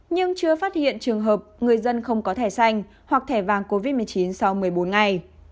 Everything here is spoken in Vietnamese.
nhưng chưa phát hiện trường hợp người dân không có thẻ xanh hoặc thẻ vàng covid một mươi chín sau một mươi bốn ngày